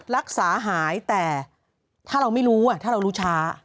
รักษาหายแต่ถ้าเราไม่รู้ถ้าเรารู้ช้า